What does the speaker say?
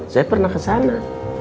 saya pernah kesana